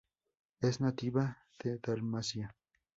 Es nativa de Dalmacia.